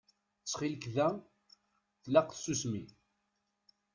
Ttxil-k da tlaq tsusmi.